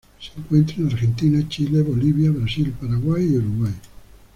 Se encuentra en Argentina, Chile Bolivia, Brasil, Paraguay y Uruguay.